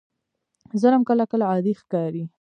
ظلم کله کله عادي ښکاري.